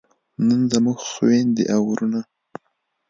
نن زموږ خویندې او وروڼه